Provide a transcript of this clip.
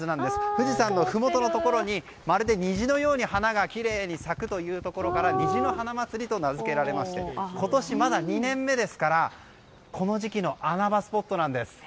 富士山のふもとのところにまるで虹のように花がきれいに咲くというところから虹の花まつりと名付けられまして今年、まだ２年目ですからこの時期の穴場スポットなんです。